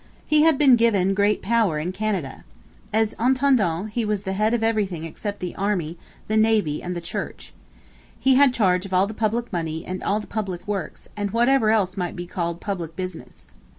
He had been given great power in Canada. As intendant he was the head of everything except the army, the navy, and the church. He had charge of all the public money and all the public works and whatever else might be called public business.